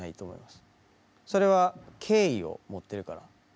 それは敬意を持っているから。